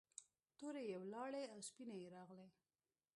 تورې یې ولاړې او سپینې یې راغلې.